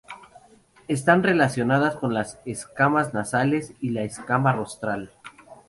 Están relacionadas con las escamas nasales y la escama rostral.